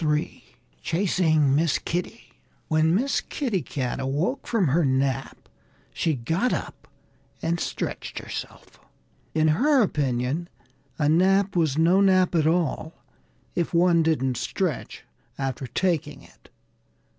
III CHASING MISS KITTY WHEN Miss Kitty Cat awoke from her nap she got up and stretched herself. In her opinion, a nap was no nap at all if one didn't stretch after taking it.